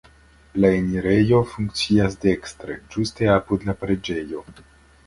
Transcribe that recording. La enirejo funkcias dekstre, ĝuste apud la preĝejo.